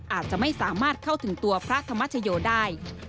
อาจจะไม่สามารถเข้าถึงตัวพระธรรมชโยได้